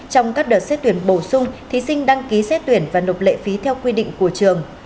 trong các đợt xét tuyển bổ sung thí sinh đăng ký xét tuyển và nộp lệ phí theo quy định của trường